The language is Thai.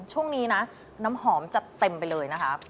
ช่วงนี้นะน้ำหอมจัดเต็มไปเลยนะคะ